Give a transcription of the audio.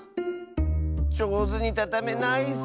じょうずにたためないッス！